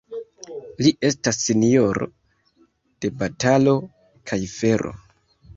Li estas sinjoro de batalo kaj fero.